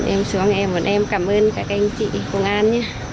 em xin cảm ơn các anh chị công an